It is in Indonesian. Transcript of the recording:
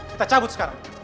kita cabut sekarang